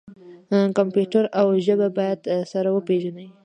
کمپیوټر او ژبه باید سره وپیژني.